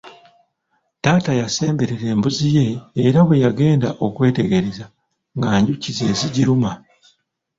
Taata yasemberera embuzi ye era bwe yagenda okwetegereza nga njuki z'ezigiruma.